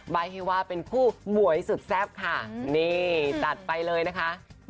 ให้ว่าเป็นคู่หมวยสุดแซ่บค่ะนี่จัดไปเลยนะคะ